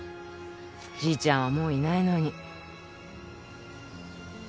じいちゃんはもういないのに。